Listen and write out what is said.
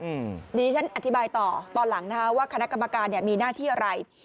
เดี๋ยวนี้ฉันอธิบายต่อตอนหลังนะครับว่าคณะกรรมการมีหน้าที่อะไร